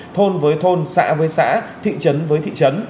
thôn với thôn xã với xã thị trấn với thị trấn